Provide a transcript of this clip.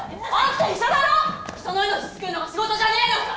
人の命救うのが仕事じゃねえのか！